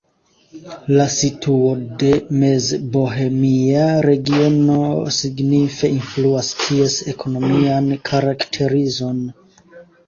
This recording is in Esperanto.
La situo de Mezbohemia Regiono signife influas ties ekonomian karakterizon.